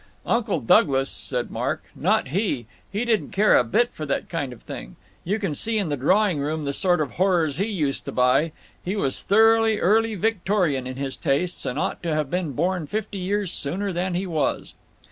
"Uncle Douglas," said Mark, "not he! He didn't care a bit for that kind of thing. You can see in the drawing room the sort of horrors he used to buy. He was thoroughly early Victorian in his tastes, and ought to have been born fifty years sooner than he was."